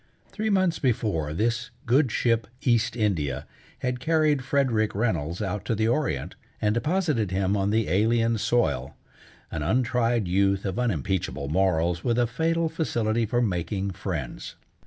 Three months before this good ship East India had carried Frederick Reynolds out to the Orient and deposited him on the alien soil, an untried youth of unimpeachable morals with a fatal facility for making friends.